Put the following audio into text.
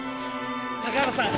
高原さん。